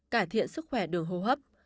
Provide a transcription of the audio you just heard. cải thiện sức khỏe đường hô hấp